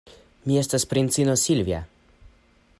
Mi estas princino Silvja.